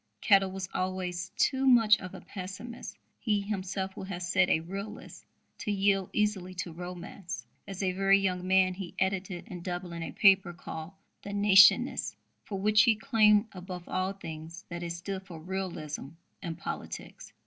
Kettle was always too much of a pessimist he himself would have said a realist to yield easily to romance. As a very young man he edited in Dublin a paper called The Nationist, for which he claimed, above all things, that it stood for "realism" in politics.